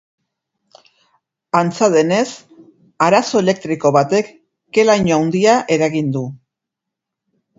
Antza denez, arazo elektriko batek ke-laino handia eragin du.